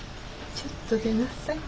ちょっと出なさい。